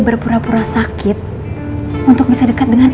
berpura pura sakit untuk bisa dekat dengan